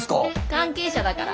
関係者だから。